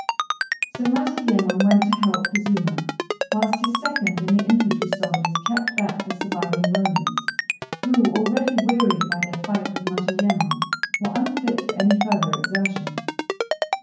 So Matayémon went to help Kazuma, whilst his second and the infantry soldiers kept back the surviving Rônins, who, already wearied by their fight with Matayémon, were unfit for any further exertion.